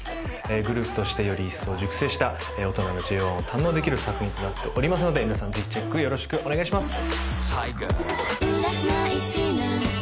グループとしてよりいっそう熟成した大人のＪＯ１を堪能できる作品となっておりますので皆さんぜひチェックよろしくお願いします。